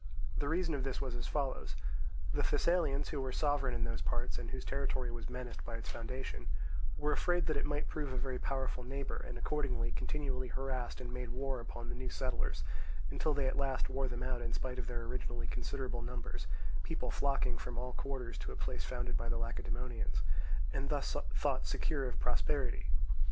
The reason of this was as follows. The Thessalians, who were sovereign in those parts, and whose territory was menaced by its foundation, were afraid that it might prove a very powerful neighbour, and accordingly continually harassed and made war upon the new settlers, until they at last wore them out in spite of their originally considerable numbers, people flocking from all quarters to a place founded by the Lacedaemonians, and thus thought secure of prosperity.